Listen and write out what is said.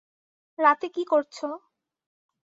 রাতে কী করছো?